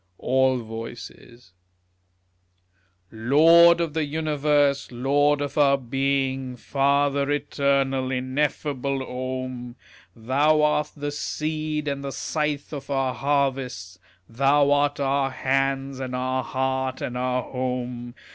All Voices Lord of the Universe, Lord of our being, Father eternal, ineffable Om! Thou art the Seed and the Scythe of our harvests, Thou art our Hands and our Heart and our Home.